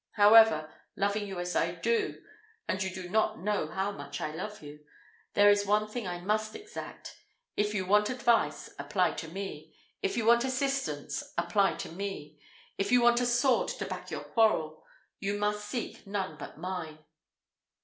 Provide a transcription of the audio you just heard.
However, loving you as I do and you do not know how much I love you there is one thing I must exact if you want advice, apply to me if you want assistance, apply to me if you want a sword to back your quarrel, you must seek none but mine."